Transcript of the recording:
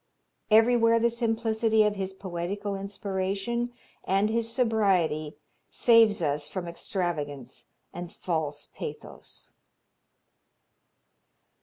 ... Everywhere the simplicity of his poetical inspiration and his sobriety saves us from extravagance and false pathos.